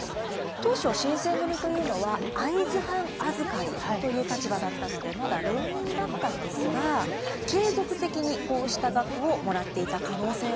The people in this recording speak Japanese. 当初新選組というのは会津藩預かりという立場だったのでまだ浪人だったんですが継続的にこうした額をもらっていた可能性はあると。